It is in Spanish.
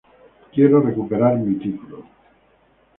Quiero recuperar mi título".